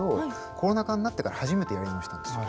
コロナ禍になってから初めてやり直したんですよ。